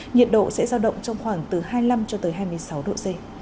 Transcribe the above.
nhiệt độ sẽ giao động trong khoảng từ hai mươi năm cho tới hai mươi sáu độ c